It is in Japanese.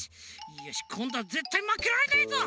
よしこんどはぜったいまけられねえぞ！